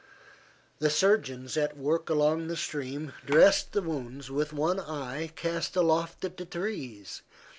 The surgeons at work along the stream dressed the wounds with one eye cast aloft at the trees.